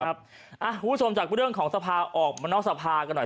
คุณผู้ชมจากเรื่องของสภาออกมานอกสภากันหน่อย